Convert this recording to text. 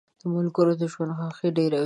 • ملګري د ژوند خوښي ډېروي.